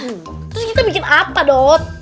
terus kita bikin apa dot